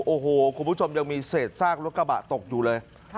โอ้โหคุณผู้ชมยังมีเศษซากรถกระบะตกอยู่เลย